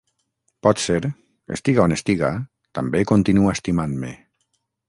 Potser, estiga on estiga, també continua estimant-me...